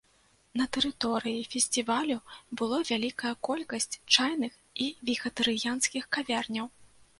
На тэрыторыі фестывалю было вялікая колькасць чайных і вегетарыянскіх кавярняў.